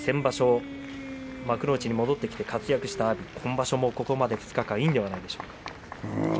先場所、幕内に戻ってきて活躍した阿炎、今場所もここまで２日間いいのではないでしょうか。